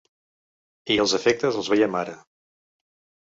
I els efectes els veiem ara.